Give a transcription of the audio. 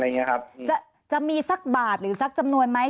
แล้วอาจารย์จะมีสักบาทหรือสักจำนวนไหม